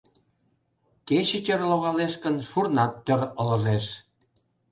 Кече тӧр логалеш гын, шурнат тӧр ылыжеш.